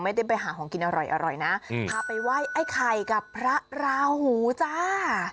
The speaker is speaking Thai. ไม่ได้ไปหาของกินอร่อยนะพาไปไหว้ไอ้ไข่กับพระราหูจ้า